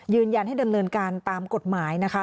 ยืนยันให้ดำเนินการตามกฎหมายนะคะ